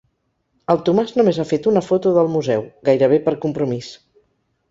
El Tomàs només ha fet una foto del museu, gairebé per compromís.